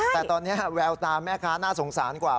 แต่ตอนนี้แววตาแม่ค้าน่าสงสารกว่า